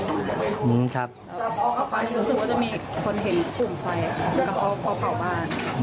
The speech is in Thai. รู้สึกว่าจะมีคนเห็นอุ่มไฟกับพ่อเผ่าบ้าน